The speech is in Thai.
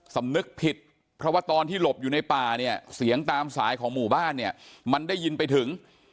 สำนึกผิดเพราะว่าตอนที่หลบอยู่ในป่าเนี่ยเสียงตามสายของหมู่บ้านเนี่ยมันได้ยินไปถึง